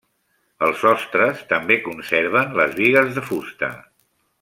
Els sostres també conserven les bigues de fusta.